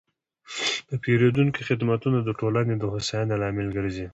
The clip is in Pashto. د پیرودونکو خدمتونه د ټولنې د هوساینې لامل ګرځي.